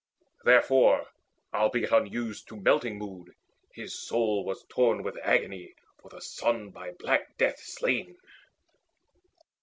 Therefore, albeit unused to melting mood, His soul was torn with agony for the son By black death slain.